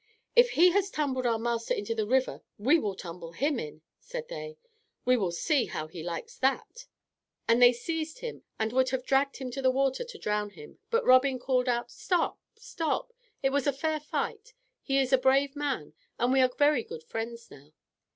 "If he has tumbled our master into the river, we will tumble him in," said they; "we will see how he likes that." And they seized him, and would have dragged him to the water to drown him, but Robin called out, "Stop, stop! it was a fair fight. He is a brave man, and we are very good friends now."